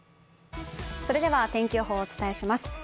それでは、天気予報をお伝えします。